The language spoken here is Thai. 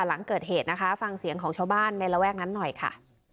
หลังเกิดเหตุนะคะฟังเสียงของชาวบ้านในระแวกนั้นหน่อยค่ะ